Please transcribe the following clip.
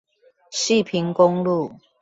汐平公路